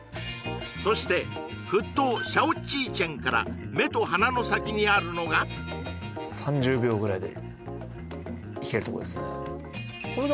そして沸騰小吃城から目と鼻の先にあるのが３０秒ぐらいで行けるとこですね